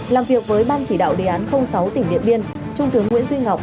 làm việc với ban chỉ đạo đề án sáu tỉnh điện biên trung tướng nguyễn duy ngọc